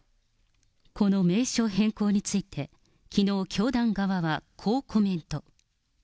この名称変更について、きのう教団側は、こうコメント。